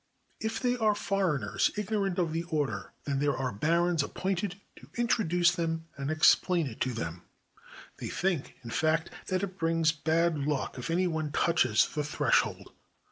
If 1 06 HOW THE GREAT KHAN ATE HIS DINNER they are foreigners ignorant of the order, then there are barons appointed to introduce them, and explain it to them. They think, in fact, that it brings bad luck if any one touches the threshold.